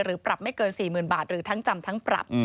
ปรับไม่เกิน๔๐๐๐บาทหรือทั้งจำทั้งปรับ